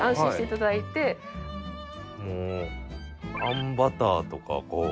あんバターとかこう。